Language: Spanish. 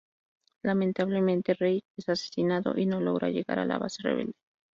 Lamentablemente Rake es asesinado y no logra llegar a la base rebelde.